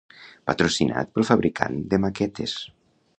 Patrocinat pel fabricant de maquetes.